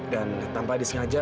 dan tanpa disengaja